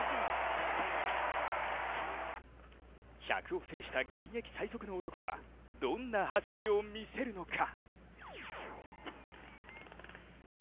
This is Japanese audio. １００を制した現役最強の男はどんな走りを見せるのか。